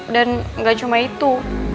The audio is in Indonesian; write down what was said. dan gak cuma itu